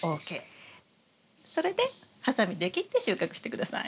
それでハサミで切って収穫して下さい。